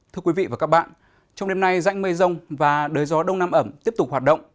thưa quý vị và các bạn trong đêm nay rãnh mây rông và đới gió đông nam ẩm tiếp tục hoạt động